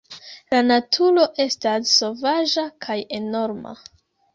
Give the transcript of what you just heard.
La naturo estas sovaĝa kaj enorma.